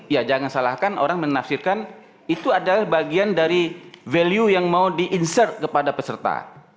ya jangan salahkan orang menafsirkan itu adalah bagian dari value yang mau di insert kepada peserta